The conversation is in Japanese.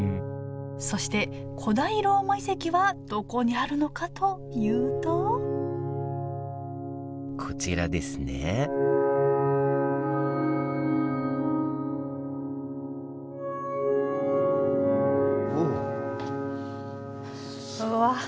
そして古代ローマ遺跡はどこにあるのかというとこちらですねうわ！